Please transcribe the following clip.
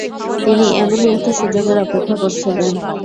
তিনি এমনই একটি সুযোগের অপেক্ষা করছিলেন।